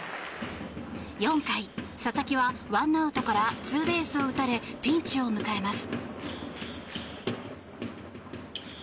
４回、佐々木は１アウトからツーベースを打たれピンチを迎えます。